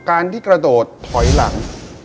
การที่กระโดดถอยหลัง